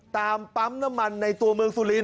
ตามปั๊มน้ำมันในตัวเมืองสุรินท